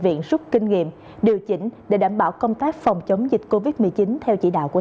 viện rút kinh nghiệm điều chỉnh để đảm bảo công tác phòng chống dịch covid một mươi chín theo chỉ đạo của